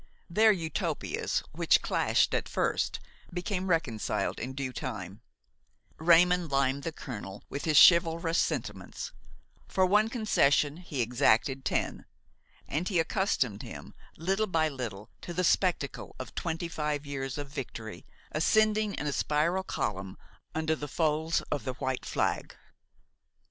Their Utopias, which clashed at first, became reconciled in due time: Raymon limed the colonel with his chivalrous sentiments; for one concession he exacted ten, and he accustomed him little by little to the spectacle of twenty five years of victory ascending in a spiral column under the folds of the white flag.